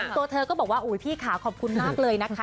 ตัวเธอก็บอกว่าอุ๊ยพี่ค่ะขอบคุณมากเลยนะคะ